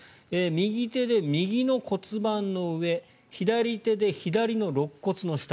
右手で右の骨盤の上左手で左のろっ骨の下。